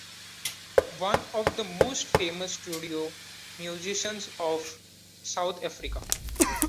One of the most famous studio musicians of South Africa.